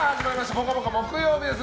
「ぽかぽか」木曜日です。